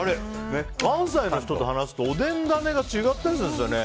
関西の人と話すとおでんダネが違ったりするんですよね。